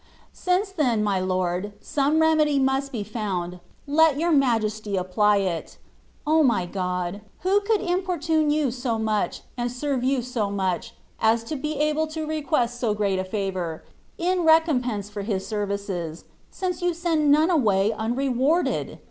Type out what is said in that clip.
Since, then, my Lord, some remedy must be found, let Your Majesty apply it. O my God ! who could importune You so much, and serve you so much, as to be able to request so great a favour, in recompense for His services, since You send none away unrewarded